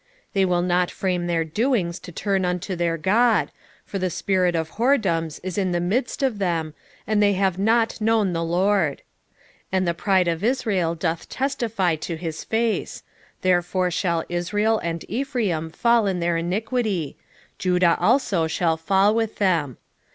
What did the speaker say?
5:4 They will not frame their doings to turn unto their God: for the spirit of whoredoms is in the midst of them, and they have not known the LORD. 5:5 And the pride of Israel doth testify to his face: therefore shall Israel and Ephraim fall in their iniquity: Judah also shall fall with them.